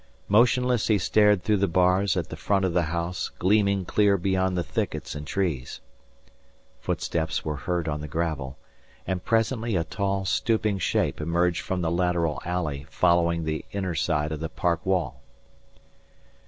Motionless he stared through the bars at the front of the house gleaming clear beyond the thickets and trees. Footsteps were heard on the gravel, and presently a tall stooping shape emerged from the lateral alley following the inner side of the park wall.